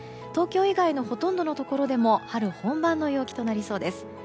東京以外のほとんどのところでも春本番の陽気となりそうです。